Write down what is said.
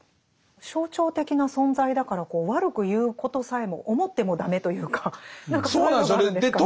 象徴的な存在だから悪く言うことさえも思っても駄目というか何かそういうのがあるんですかね。